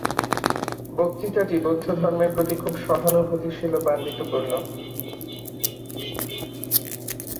বক্তৃতাটি বৌদ্ধধর্মের প্রতি খুব সহানুভূতিশীল ও পাণ্ডিত্যপূর্ণ।